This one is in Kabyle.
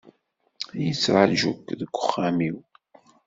Yettraju-k deg uxxam-iw.